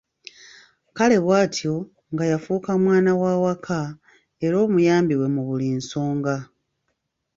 Kale bw'atyo nga yafuuka mwana wa waka, era omuyambi we mu buli nsonga.